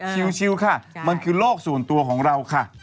ชิวค่ะมันคือโลกส่วนตัวของเราค่ะ